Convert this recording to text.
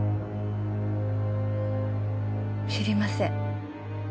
知りません。